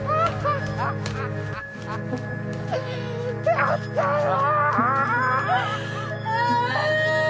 やったよ！！